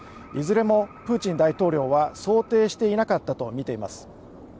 いずれもプーチン大統領は想定していなかったとみています。